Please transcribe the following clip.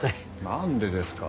何でですか。